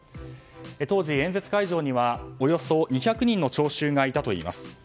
当時、演説会場にはおよそ２００人の聴衆がいたといいます。